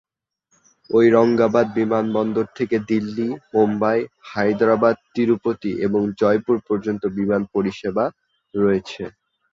ঔরঙ্গাবাদ বিমানবন্দর থেকে দিল্লী, মুম্বাই, হায়দরাবাদ-তিরুপতি এবং জয়পুর পর্যন্ত বিমান পরিষেবা রয়েছে।